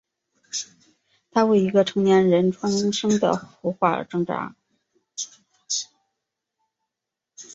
他为一个成年人重生的图画而挣扎。